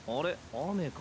雨か。